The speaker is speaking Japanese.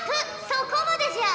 そこまでじゃ！